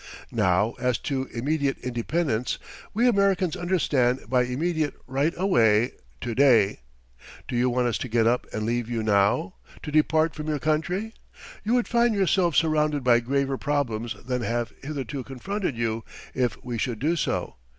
"Now as to immediate independence: we Americans understand by immediate, right away to day. Do you want us to get up and leave you now to depart from your country? You would find yourselves surrounded by graver problems than have hitherto confronted you, if we should do so.